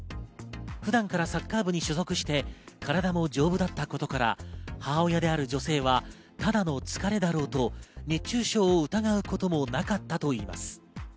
普段からサッカー部に所属して、体も丈夫だったことから、母親である女性は、ただの疲れだろうと熱中症を疑うこともなかったといいます。